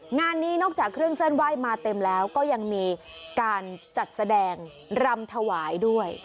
งานนี้นอกจากเครื่องเส้นไหว้มาเต็มแล้วก็ยังมีการจัดแสดงรำถวายด้วย